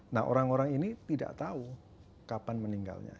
nah orang orang ini tidak tahu kapan meninggalnya